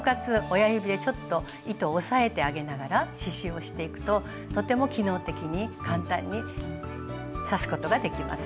親指でちょっと糸を押さえてあげながら刺しゅうをしていくととても機能的に簡単に刺すことができます。